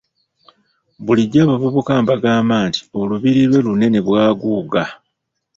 Bulijjo abavubuka mbagamba nti oluubiri lwe lunene, bwaguuga.